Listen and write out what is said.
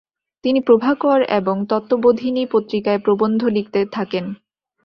তিনি প্রভাকর এবং তত্ত্ববোধিনী পত্রিকায় প্রবন্ধ লিখতে থাকেন ।